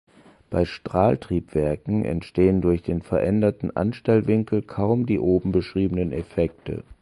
Bei Strahltriebwerken entstehen durch den veränderten Anstellwinkel kaum die oben beschriebenen Effekte.